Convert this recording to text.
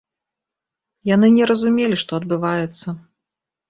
Яны не разумелі, што адбываецца.